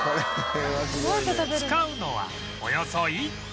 使うのはおよそ１斤！